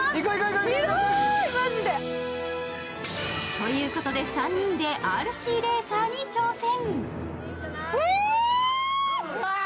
ということで、３人でＲＣレーサーに挑戦。